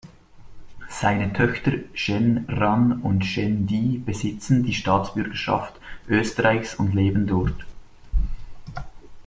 Seine Töchter Chen Ran und Chen Di besitzen die Staatsbürgerschaft Österreichs und leben dort.